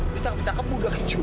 bicara bicara ke muda kicu